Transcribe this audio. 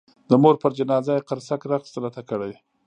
د مور پر جنازه یې قرصک رقص راته کړی.